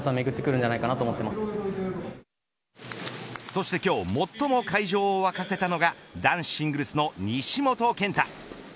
そして今日最も会場を沸かせたのが男子シングルスの西本拳太。